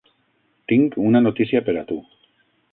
Tinc una notícia per a tu!